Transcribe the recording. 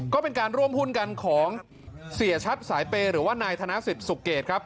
ก็เป็นการร่วมหุ้นกันของเสียชัดสายเปย์หรือว่านายธนสิทธิสุเกตครับ